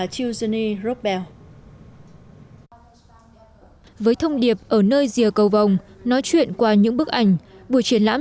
jusine robel với thông điệp ở nơi rìa cầu vòng nói chuyện qua những bức ảnh buổi triển lãm